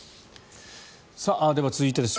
では、続いてです。